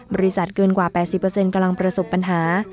เกินกว่า๘๐กำลังประสบปัญหา